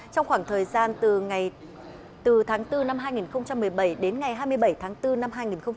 trong khoảng thời gian từ tháng bốn năm hai nghìn một mươi bảy đến ngày hai mươi bảy tháng bốn năm hai nghìn một mươi tám